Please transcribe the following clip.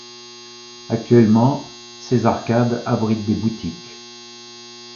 Actuellement, ses arcades abritent des boutiques.